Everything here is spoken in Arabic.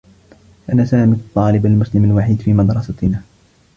كان سامي الطّالب المسلم الوحيد في مدرستنا.